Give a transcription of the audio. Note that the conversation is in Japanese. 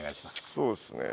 そうっすね